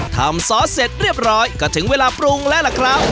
ซอสเสร็จเรียบร้อยก็ถึงเวลาปรุงแล้วล่ะครับ